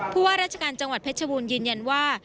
ผู้ว่าราชการจังหวัดพรรษบุญยืนยันว่า